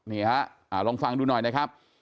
นี่ฮะลองฟังดูหน่อยนะครับ